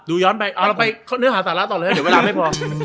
ย้อนไปเอาเราไปเนื้อหาสาระต่อเลยเดี๋ยวเวลาไม่พอ